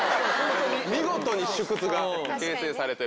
見事に縮図が形成されてる。